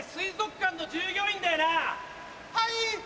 はい！